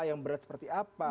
yang berat seperti apa